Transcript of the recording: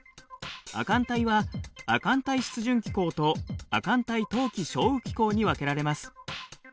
亜寒帯は亜寒帯湿潤気候と亜寒帯冬季少雨気候に分けられます。